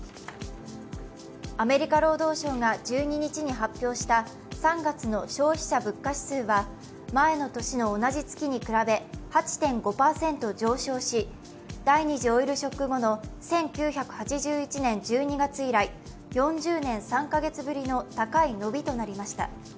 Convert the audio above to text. アメリカ労働省が１２日に発表した３月の消費者物価指数は前の年の同じ月に比べ８．５％上昇し第二次オイルショック後の１９８１年１２月以来４０年３カ月ぶりの高い伸びとなりました。